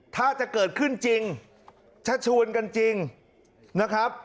ถ้าจะเกิดขึ้นจริงถ้าชวนกันจริงนะครับ